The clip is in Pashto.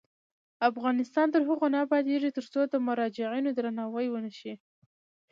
افغانستان تر هغو نه ابادیږي، ترڅو د مراجعینو درناوی ونشي.